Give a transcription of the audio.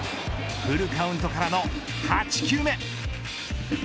フルカウントからの８球目。